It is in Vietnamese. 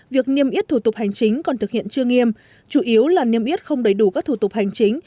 việc niêm yết thủ tục hành chính còn thực hiện chưa nghiêm chủ yếu là niêm yết không đầy đủ các thủ tục hành chính